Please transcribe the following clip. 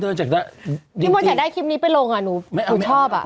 มดอยากได้คลิปนี้ไปลงอ่ะหนูชอบอ่ะ